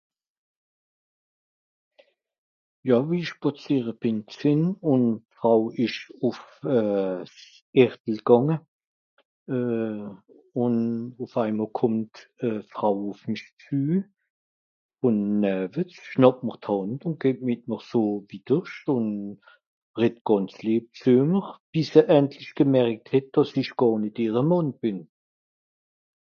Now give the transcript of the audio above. jà wo i spàziere bìn gsìn ùn aw esch ùff euh s'gärtel gànge euh ùn ùff einer kòmmt d'frau ... ùn näve s'nàpmr d'hànd ùn geht mìt mr so wiederscht ùn red gànz lieb zumr bis a endlich gemerikt hett dàs isch gàr nìt ere mànn bìn